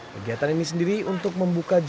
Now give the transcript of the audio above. pegiatan ini sendiri untuk membangunkan alat berat